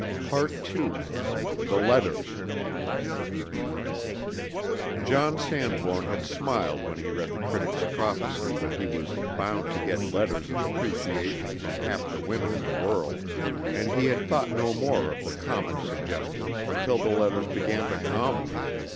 PART II THE LETTERS CHAPTER VII John Sanbourne had smiled when he read the critic's prophecy that he was "bound to get letters of appreciation from half the women in the world," and he had thought no more of the comic suggestion until the letters began to come.